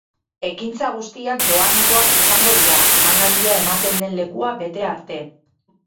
Ekintza guztiak doanekoak izango dira, emanaldia ematen den lekua bete arte.